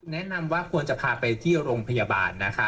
แนะนำว่าควรจะพาไปที่โรงพยาบาลนะคะ